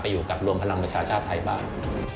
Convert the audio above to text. อยู่กับรวมพลังประชาชาติไทยบ้าง